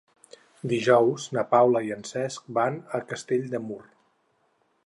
Dijous na Paula i en Cesc van a Castell de Mur.